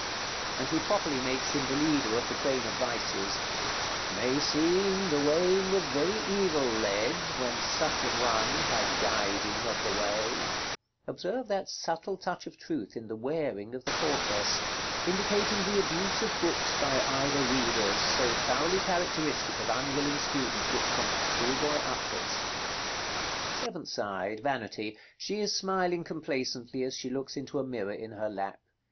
And he properly makes him the leader of the train of the vices: "May seem the wayne was very evil ledd, When such an one had guiding of the way" Observe that subtle touch of truth in the "wearing" of the portesse, indicating the abuse of books by idle readers, so thoroughly characteristic of unwilling studentship from the schoolboy upwards. § XCII. Seventh side. Vanity. She is smiling complacently as she looks into a mirror in her lap.